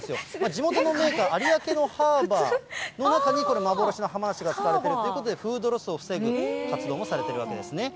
地元の銘菓、ありあけのハーバーの中に、これ、幻の浜なしが使われているということで、フードロスを防ぐ活動もされているわけですね。